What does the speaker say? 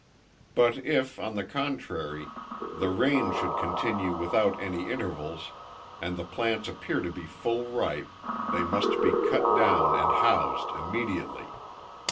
But if, on the contrary, the rain should continue without any intervals, and the plants appear to be full ripe, they must be cut down and housed immediately.